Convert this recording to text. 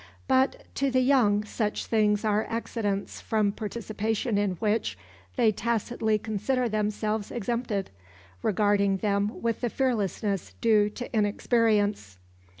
But to the young such things are accidents from participation in which they tacitly consider themselves exempted, regarding them with the fearlessness due to inexperience.